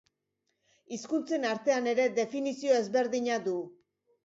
Hizkuntzen artean ere definizio ezberdina du.